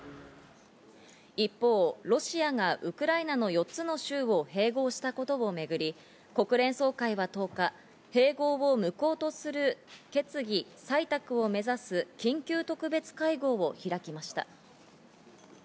一方、ロシアがウクライナの四つの州を併合したことをめぐり国連総会は１０日、併合を無効とする決議採択を目指す緊急特別会合を開きました。